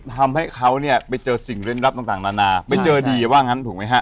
ทำให้เขาเนี่ยไปเจอสิ่งเล่นรับต่างนานาไปเจอดีว่างั้นถูกไหมฮะ